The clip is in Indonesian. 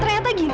ternyata gini ya